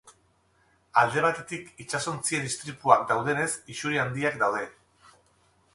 Alde batetik itsasontzien istripuak daudenez isuri handiak daude.